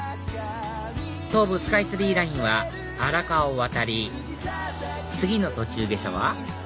東武スカイツリーラインは荒川を渡り次の途中下車は？